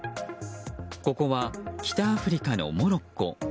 ここは北アフリカのモロッコ。